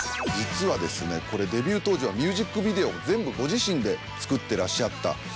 実はデビュー当時はミュージックビデオを全部ご自身で作ってらっしゃった。